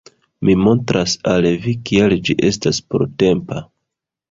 Mi montras al vi kial ĝi estas portempa